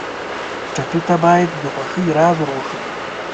ټپي ته باید د خوښۍ راز ور وښیو.